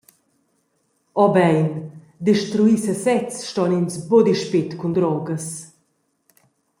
O bein … Destruir sesez ston ins buca dispet cun drogas.